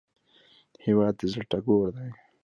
هیواد د زړه ټکور دی